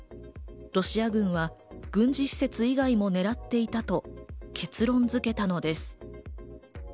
ロシア軍は軍事施設以外も狙っていたと結論付けたのです。